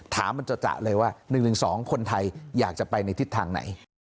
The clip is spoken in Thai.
มันจะเลยว่า๑๑๒คนไทยอยากจะไปในทิศทางไหน